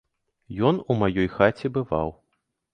Ён у маёй хаце бываў.